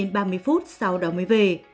một mươi năm ba mươi phút sau đó mới về